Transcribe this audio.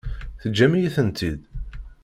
Teǧǧam-iyi-tent-id?